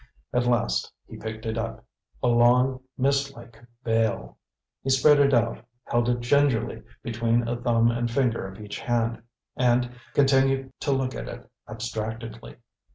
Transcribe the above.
At last he picked it up a long, mist like veil. He spread it out, held it gingerly between a thumb and finger of each hand, and continued to look at it abstractedly.